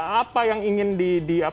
apa yang ingin di